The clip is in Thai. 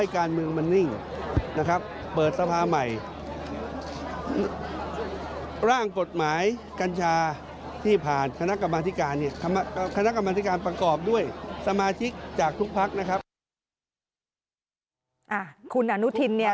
คุณอนุทินเนี่ย